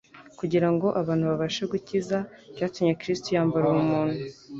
kugira ngo abantu babashe gukiza, byatumye Kristo yambara ubumuntu.